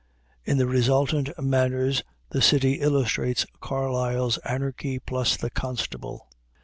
In the resultant manners the city illustrates Carlyle's "anarchy plus the constable."